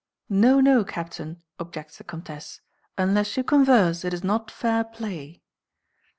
"No, no, captain," objects the Comtesse, "unless you converse it is not fair play."